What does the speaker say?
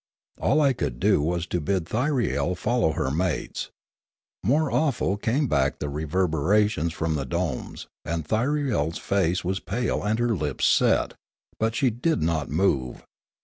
All I could do was to bid Thyriel follow her mates. More awful came back the reverberations from the domes, and ThyrieFs face was pale and her lips set, but she did not move.